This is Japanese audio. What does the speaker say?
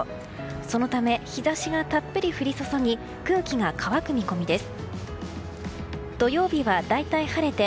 そのため日差しがたっぷり降り注ぎ空気が乾く見込みです。